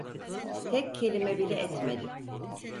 Tek kelime bile etmedi.